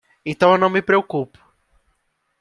Então eu não me preocupo